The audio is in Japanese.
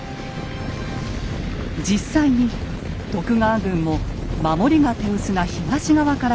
実際に徳川軍も守りが手薄な東側から攻め込みます。